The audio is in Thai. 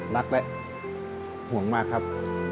รักและห่วงมากครับ